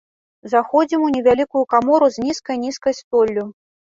Заходзім у невялікую камору з нізкай-нізкай столлю.